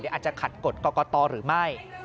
อาจจะขัดกฎกรกตหรือไม่